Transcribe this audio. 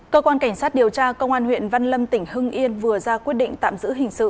cơ quan cảnh sát điều tra công an huyện văn lâm tỉnh hưng yên vừa ra quyết định tạm giữ hình sự